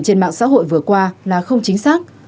trên mạng xã hội vừa qua là không chính xác